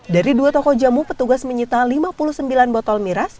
dari dua toko jamu petugas menyita lima puluh sembilan botol miras